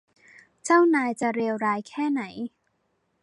เจ้านายจะเลวร้ายแค่ไหน ?